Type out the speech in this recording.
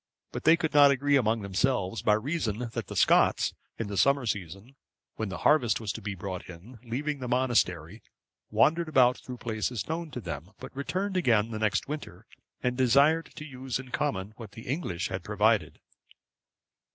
But they could not agree among themselves, by reason that the Scots, in the summer season, when the harvest was to be brought in, leaving the monastery, wandered about through places known to them; but returned again the next winter, and desired to use in common what the English had provided.